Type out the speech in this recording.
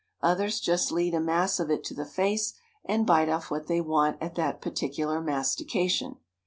Others just lead a mass of it to the face and bite off what they want at that particular mastication.